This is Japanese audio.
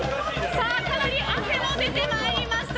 かなり汗も出てまいりました。